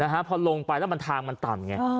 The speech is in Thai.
พอลงไปแล้วมันทางมันต่ำไง